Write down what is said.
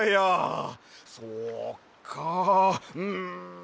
そっかうん。